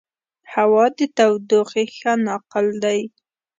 هوا د تودوخې ښه ناقل نه دی.